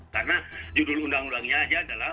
karena judul undang undangnya aja adalah